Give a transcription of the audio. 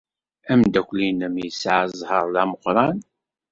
Ameddakel-nnem yesɛa zzheṛ d ameqran.